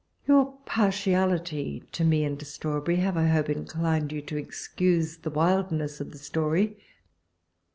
Your partiality to me and Strawberry have, I hope, inclined you to excuse the wildness of the story.